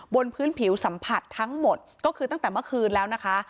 บนพื้นผิวสัมผัสทั้งหมดก็คือตั้งแต่เมื่อคืนแล้วนะคะ